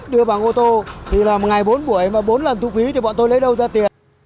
đưa bằng ô tô thì là một ngày bốn buổi mà bốn lần thu phí thì bọn tôi lấy đâu ra tiền